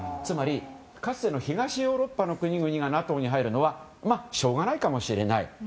つまりかつての東ヨーロッパの国々がＮＡＴＯに入るのはしょうがないかもしれない。